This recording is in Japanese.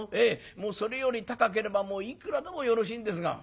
それより高ければもういくらでもよろしいんですが」。